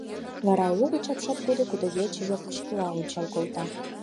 Вара угыч апшаткудо, кудывече велышкыла ончал колта.